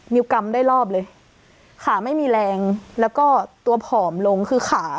กำได้รอบเลยขาไม่มีแรงแล้วก็ตัวผอมลงคือขา